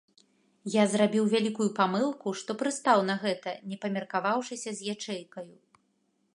Я зрабіў вялікую памылку, што прыстаў на гэта, не памеркаваўшыся з ячэйкаю.